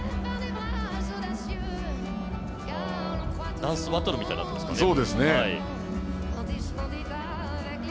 ダンスバトルみたいになっているんですかね。